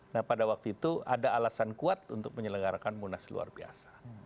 nah pada waktu itu ada alasan kuat untuk menyelenggarakan munas luar biasa